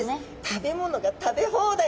食べ物が食べ放題！